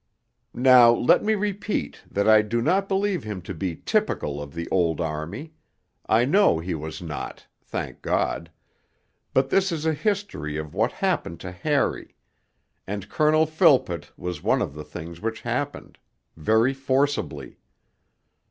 Now let me repeat that I do not believe him to be typical of the Old Army, I know he was not (thank God); but this is a history of what happened to Harry, and Colonel Philpott was one of the things which happened very forcibly.